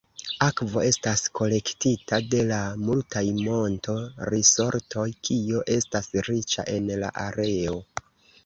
Akvo estas kolektita de la multaj monto-risortoj, kio estas riĉa en la areo.